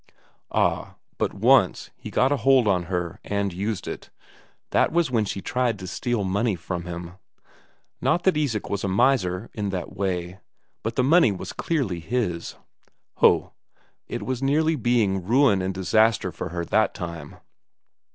Ah, but once he got a hold on her and used it that was when she tried to steal his money from him. Not that Isak was a miser in that way, but the money was clearly his. Ho, it was nearly being ruin and disaster for her that time!